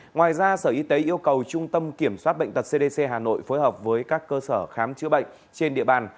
ngoài ra sở y tế yêu cầu trung tâm kiểm soát bệnh tật cdc hà nội phối hợp với các cơ sở khám chữa bệnh trên địa bàn